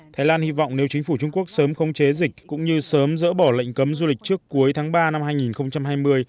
thái lan hy vọng nếu chính phủ trung quốc sớm không chế dịch cũng như sớm dỡ bỏ lệnh cấm du lịch trước cuối tháng ba năm hai nghìn hai mươi